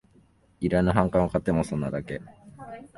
いらぬ反感を買っても損なだけ